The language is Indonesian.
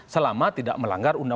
selama tidak melanggar undang undang